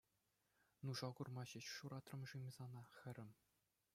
Нуша курма ҫеҫ ҫуратрӑм-шим сана, хӗрӗм.